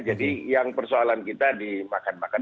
jadi yang persoalan kita di makan makan